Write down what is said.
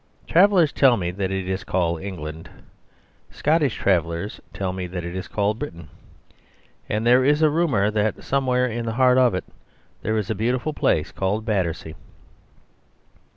Travellers tell me that it is called England (Scotch travellers tell me that it is called Britain), and there is a rumour that somewhere in the heart of it there is a beautiful place called Battersea."